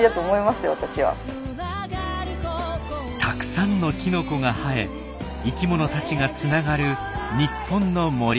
たくさんのきのこが生え生きものたちがつながる日本の森。